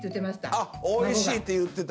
あおいしいって言ってた。